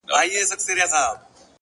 ستر بدلونونه له کوچنیو انتخابونو زېږي.!